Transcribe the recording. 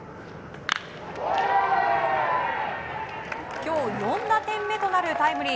今日４打点目となるタイムリー！